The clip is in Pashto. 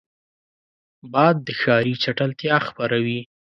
باد د ښاري چټلتیا خپروي